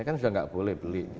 kan sudah nggak boleh beli